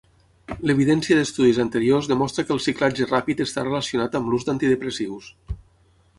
L'evidència d'estudis anteriors demostra que el ciclatge ràpid està relacionat amb l'ús d'antidepressius.